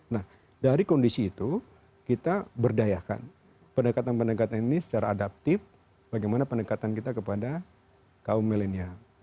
nah dari kondisi itu kita berdayakan pendekatan pendekatan ini secara adaptif bagaimana pendekatan kita kepada kaum milenial